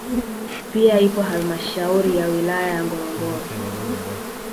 Pia ipo halmashauri ya wilaya ya Ngorongoro